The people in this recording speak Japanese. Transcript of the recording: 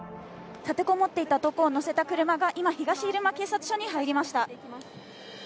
立てこもっていた男を乗せた車が今、東入間警察署に入りました。